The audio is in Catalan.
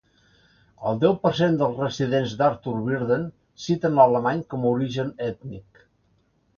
El deu per cent dels residents d'Arthur-Virden citen l'alemany com a origen ètnic.